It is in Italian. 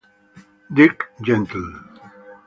Dirk Gently.